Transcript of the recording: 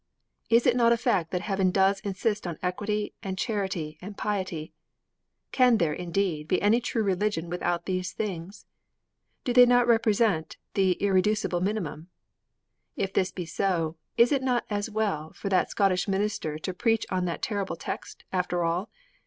Is it not a fact that heaven does insist on equity and charity and piety? Can there, indeed, be any true religion without these things? Do they not represent the irreducible minimum? If this be so, is it not as well for that Scottish minister to preach on that terrible text, after all?